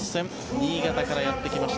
新潟からやってきました